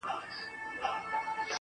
د غني خان، اشرف مفتون، سید رسول رسا